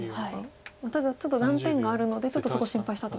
ただちょっと断点があるのでちょっとそこ心配したと。